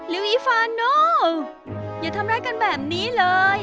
อีฟานูอย่าทำร้ายกันแบบนี้เลย